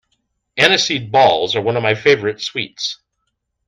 Aniseed balls are one of my favourite sweets